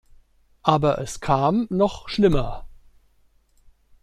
Aber es kam noch schlimmer.